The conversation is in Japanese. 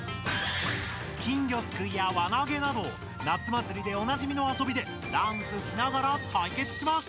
金魚すくいや輪なげなど夏祭りでおなじみのあそびでダンスしながら対決します！